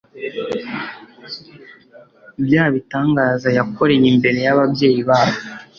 bya bitangaza yakoreye imbere y'ababyeyi babo